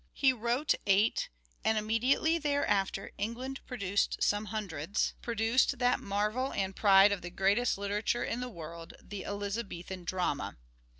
He wrote eight ; and immediately thereafter England produced some hundreds — produced that marvel and pride of the greatest literature in the world, the Elizabethan Drama.